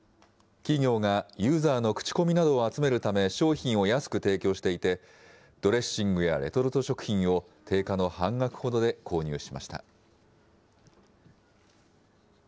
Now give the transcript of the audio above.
企業がユーザーの口コミなどを集めるため、商品を安く提供していて、ドレッシングやレトルト食品を、定価の半額ほどで購入しました。